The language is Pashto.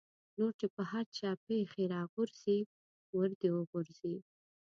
نور چې په هر چا پېښې را غورځي ور دې وغورځي.